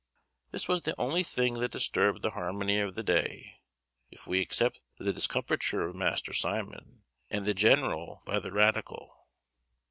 This was the only thing that disturbed the harmony of the day, if we except the discomfiture of Master Simon and the general by the radical.